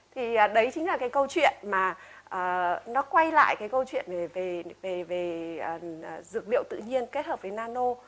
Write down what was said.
thì đấy chính là cái câu chuyện mà nó quay lại cái câu chuyện về dược liệu tự nhiên kết hợp với nano